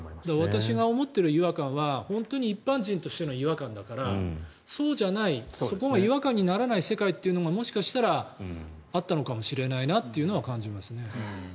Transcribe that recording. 私が思っている違和感は一般人としての違和感だからそうじゃないそこの違和感にならない世界というのがもしかしたらあったのかもしれないなというのは感じますね。